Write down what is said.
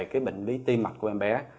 cái bệnh lý tiên mặt của em bé